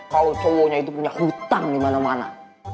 kalo cowoknya itu punya hutang dimana mana